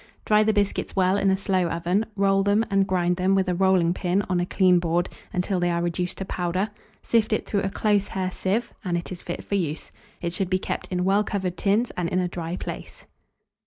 Dry the biscuits well in a slow oven; roll them and grind them with a rolling pin on a clean board, until they are reduced to powder; sift it through a close hair sieve, and it is fit for use. It should be kept in well covered tins, and in a dry place.